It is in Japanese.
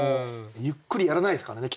ゆっくりやらないですからね